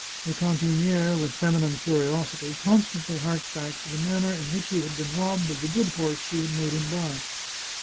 The cantiniere, with feminine curiosity, con 63 The Chartreuse of Parma stantly harked back to the manner in which he had been robbed of the good horse she had made him buy.